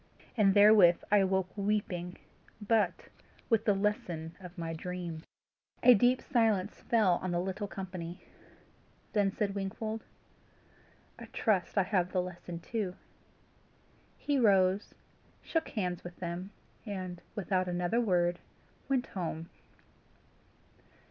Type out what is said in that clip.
And therewith I awoke weeping, but with the lesson of my dream." A deep silence fell on the little company. Then said Wingfold, "I trust I have the lesson too." He rose, shook hands with them, and, without another word, went home.